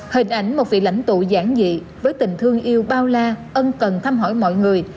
hình ảnh một vị lãnh tụ giản dị với tình thương yêu bao la ân cần thăm hỏi mọi người